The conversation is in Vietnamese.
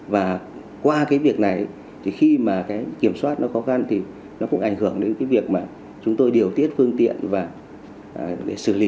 và qua cái việc này thì khi mà cái kiểm soát nó khó khăn thì nó cũng ảnh hưởng đến cái việc mà chúng tôi điều tiết phương tiện và để xử lý